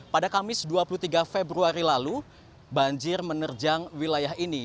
pada kamis dua puluh tiga februari lalu banjir menerjang wilayah ini